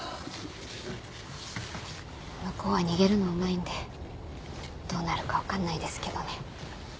向こうは逃げるのうまいんでどうなるか分かんないですけどね。